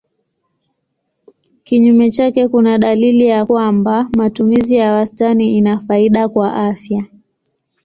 Kinyume chake kuna dalili ya kwamba matumizi ya wastani ina faida kwa afya.